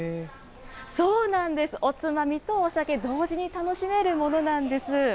そうなんです、おつまみとお酒、同時に楽しめるものなんです。